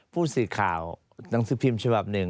ผู้สื่อข่าวหนังสือพิมพ์ฉบับหนึ่ง